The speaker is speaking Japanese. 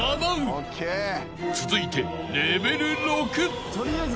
［続いてレベル６］